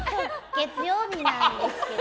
月曜日なんですけど。